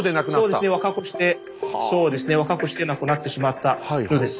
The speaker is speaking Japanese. そうですね若くして若くして亡くなってしまったようです。